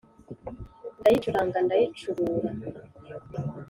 ndayicuranga ndayicurura